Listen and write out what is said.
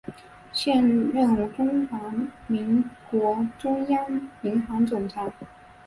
现任中华民国中央银行总裁。